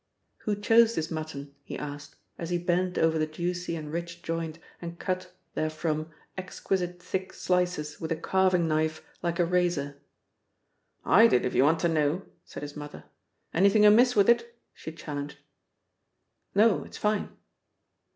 "Who chose this mutton?" he asked as he bent over the juicy and rich joint and cut therefrom exquisite thick slices with a carving knife like a razor. "I did, if ye want to know," said his mother. "Anything amiss with it?" she challenged. "No. It's fine."